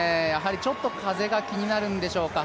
ちょっと風が気になるんでしょうか。